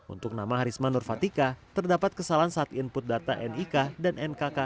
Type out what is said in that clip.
untuk nama harisma nurfatika terdapat kesalahan saat input data nik dan nkk